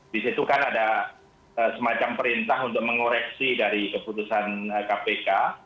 di situ kan ada semacam perintah untuk mengoreksi dari keputusan kpk